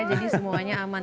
jadi semuanya aman